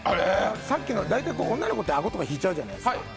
さっきの、女の子なんか顎、引いちゃうじゃないですか。